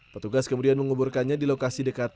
petugas kemudian menguburkannya di lokasi dekat